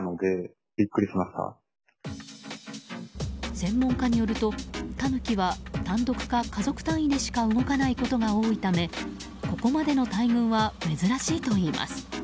専門家によるとタヌキは、単独か家族単位でしか動かないことが多いためここまでの大群は珍しいといいます。